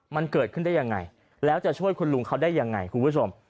มันเกิดขึ้นได้ยังไงแล้วจะช่วยคุณลุงเขาได้ยังไงคุณผู้ชม